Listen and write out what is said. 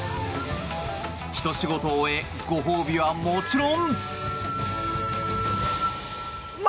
ひと仕事終えご褒美はもちろん。